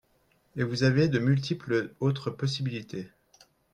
Et vous avez de multiples autres possibilités.